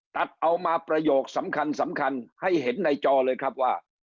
ตัดเอามาประโยคสำคัญให้เห็นในจอเลยครับว่า